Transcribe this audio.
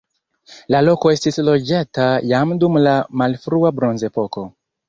La loko estis loĝata jam dum la malfrua bronzepoko.